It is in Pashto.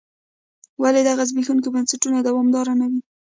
ولې دغه زبېښونکي بنسټونه دوامداره نه وي.